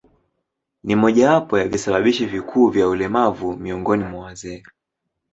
Ni mojawapo ya visababishi vikuu vya ulemavu miongoni mwa wazee.